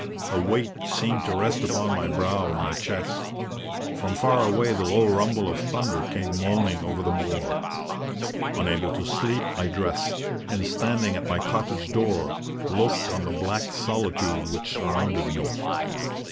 A weight seemed to rest upon my brow and my chest. From far away the low rumble of thunder came moaning over the moor. Unable to sleep, I dressed, and standing at my cottage door, looked on the black solitude which surrounded me.